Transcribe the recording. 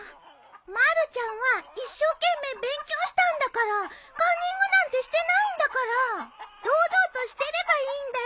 まるちゃんは一生懸命勉強したんだからカンニングなんてしてないんだから堂々としてればいいんだよ。